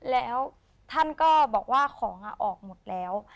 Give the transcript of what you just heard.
แล้วท่านก็บอกว่าของออกหมดแล้ว